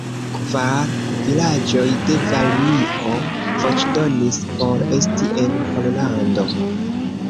Kvar vilaĝoj de Varmio voĉdonis por esti en Pollando.